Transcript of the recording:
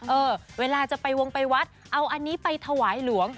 เออเวลาจะไปวงไปวัดเอาอันนี้ไปถวายหลวง